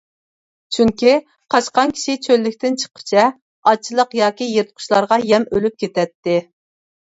چۈنكى قاچقان كىشى چۆللۈكتىن چىققۇچە ئاچلىق ياكى يىرتقۇچلارغا يەم ئۆلۈپ كېتەتتى.